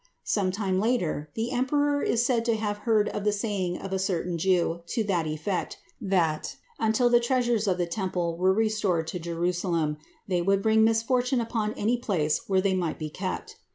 Some time later, the emperor is said to have heard of the saying of a certain Jew to the effect that, until the treasures of the Temple were restored to Jerusalem, they would bring misfortune upon any place where they might be kept.